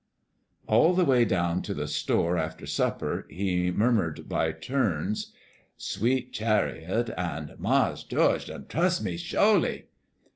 All the way down to the store after supper he murmured by turns "Sweet Chariot," and "Mars' George done trus' me sho'ly!"